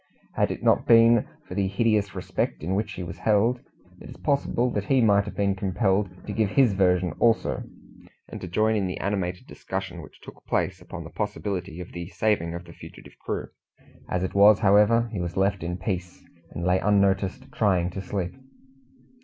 Had it not been for the hideous respect in which he was held, it is possible that he might have been compelled to give his version also, and to join in the animated discussion which took place upon the possibility of the saving of the fugitive crew. As it was, however, he was left in peace, and lay unnoticed, trying to sleep.